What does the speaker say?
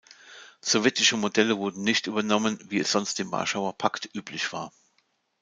Sowjetische Modelle wurden nicht übernommen, wie es sonst im Warschauer Pakt üblich war.